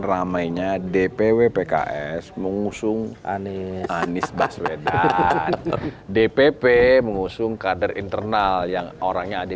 ramainya dpw pks mengusung anies baswedan dpp mengusung kader internal yang orangnya adik